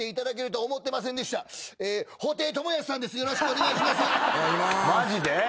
お願いしまーす。